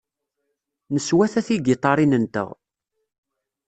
Neswata tigiṭarin-nteɣ.